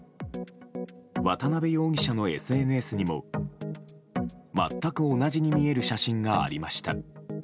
渡辺容疑者のＳＮＳにも全く同じに見える写真がありました。